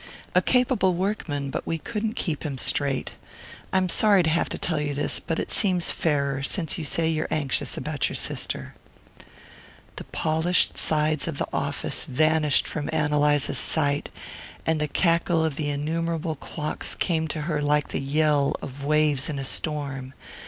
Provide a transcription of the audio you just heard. A capable workman, but we couldn't keep him straight. I'm sorry to have to tell you this, but it seems fairer, since you say you're anxious about your sister." The polished sides of the office vanished from Ann Eliza's sight, and the cackle of the innumerable clocks came to her like the yell of waves in a storm.